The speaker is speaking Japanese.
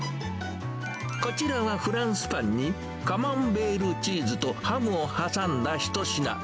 こちらはフランスパンに、カマンベールチーズとハムを挟んだ一品。